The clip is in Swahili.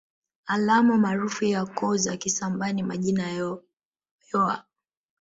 Alama maarufu ya koo za Kisambaa ni majina yoa